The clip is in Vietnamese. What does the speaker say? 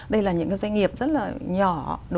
đây là những doanh nghiệp rất là nhỏ